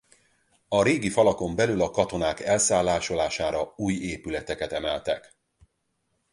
A régi falakon belül a katonák elszállásolására új épületeket emeltek.